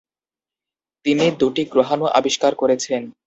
তিনি দুটি গ্রহাণু আবিষ্কার করেছেন।